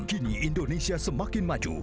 kini indonesia semakin maju